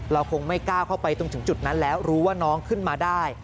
เราคงไม่กล้าเข้าไปตรงถึงจุดนั้นแล้วรู้ว่าน้องขึ้นมาได้